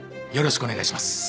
よろしくお願いします。